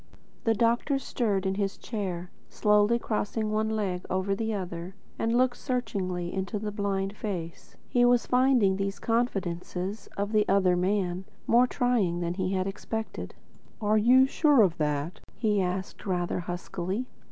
The doctor stirred in his chair, slowly crossed one leg over the other, and looked searchingly into the blind face. He was finding these confidences of the "other man" more trying than he had expected. "Are you sure of that?" he asked rather huskily.